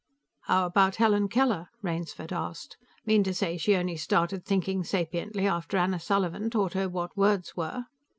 "How about Helen Keller?" Rainsford asked. "Mean to say she only started thinking sapiently after Anna Sullivan taught her what words were?"